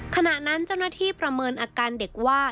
ขณะนั้นเจ้าหน้าที่ประเมินอาการเด็กว่า